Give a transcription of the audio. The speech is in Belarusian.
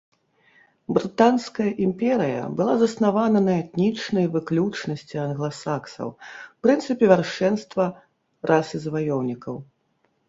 Брытанская імперыя была заснавана на этнічнай выключнасці англасаксаў, прынцыпе вяршэнства расы заваёўнікаў.